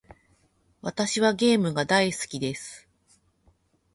私はゲームが大好きです。